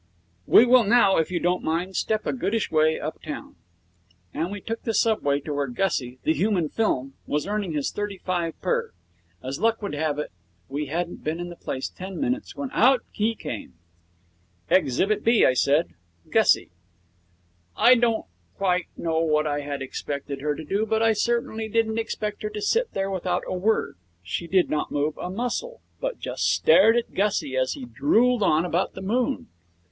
'We will now, if you don't mind, step a goodish way uptown.' And we took the subway to where Gussie, the human film, was earning his thirty five per. As luck would have it, we hadn't been in the place ten minutes when out he came. 'Exhibit B,' I said. 'Gussie.' I don't quite know what I had expected her to do, but I certainly didn't expect her to sit there without a word. She did not move a muscle, but just stared at Gussie as he drooled on about the moon.